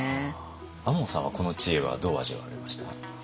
亞門さんはこの知恵はどう味わわれました？